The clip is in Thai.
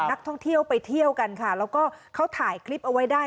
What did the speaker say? นักท่องเที่ยวไปเที่ยวกันค่ะแล้วก็เขาถ่ายคลิปเอาไว้ได้